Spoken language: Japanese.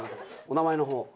お名前の方を。